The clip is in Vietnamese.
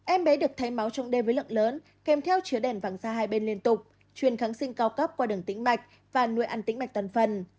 em bé được thay máu trong đêm với lượng lớn kèm theo chứa đèn vàng da hai bên liên tục chuyên kháng sinh cao cấp qua đường tĩnh mạch và nuôi ăn tĩnh mạch toàn phần